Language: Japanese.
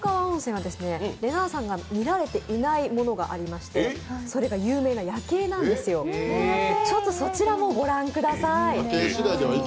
はれなぁさんが見られていないものがありまして、それが有名な夜景なんですよ、そちらも御覧ください。